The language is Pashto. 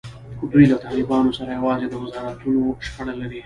دوی له طالبانو سره یوازې د وزارتونو شخړه لري.